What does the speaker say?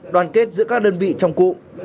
đoàn kết giữa các đơn vị trong cụ